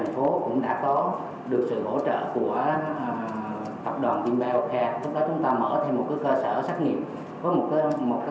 với mục tiêu lấy năm triệu mẫu gợp năm trăm linh mẫu gợp năm trăm linh mẫu gợp